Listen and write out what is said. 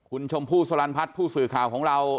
คุณชมพู่สลันพัฒน์ผู้สื่อข่าวของเรา